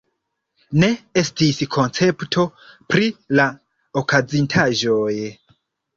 Ne estis koncepto pri la okazintaĵoj.